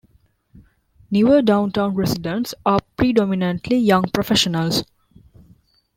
Newer downtown residents are predominantly young professionals.